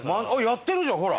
やってるじゃんほら！